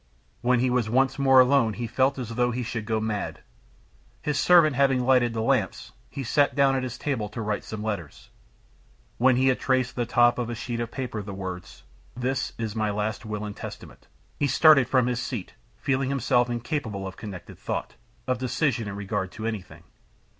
When he was once more alone he felt as though he should go mad. His servant having lighted the lamps, he sat down at his table to write some letters. When he had traced at the top of a sheet of paper the words: "This is my last will and testament," he started from his seat, feeling himself incapable of connected thought, of decision in regard to anything.